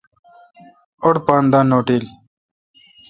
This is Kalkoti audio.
اوڈ پان دا نوٹل۔